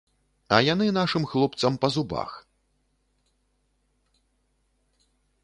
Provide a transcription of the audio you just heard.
А яны нашым хлопцам па зубах.